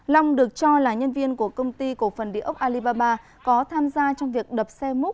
long được cho là nhân viên của công ty cổ phần địa ốc alibaba có tham gia trong việc đập xe múc